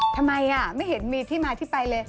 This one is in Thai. ทำไมไม่เห็นมีที่มาที่ไปเลย